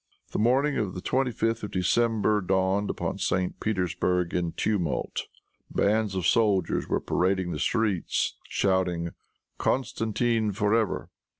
The morning of the 25th of December dawned upon St. Petersburg in tumult. Bands of soldiers were parading the streets shouting, "Constantine for ever."